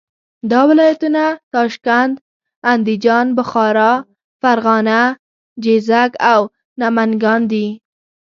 دا ولایتونه تاشکند، اندیجان، بخارا، فرغانه، جیزک او نمنګان دي.